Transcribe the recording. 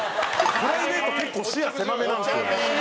プライベート結構視野狭めなんですよ。